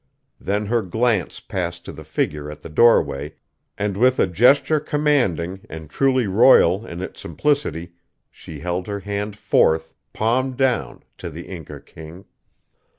Then her glance passed to the figure at the doorway, and with a gesture commanding and truly royal in its simplicity, she held her hand forth, palm down, to the Inca king.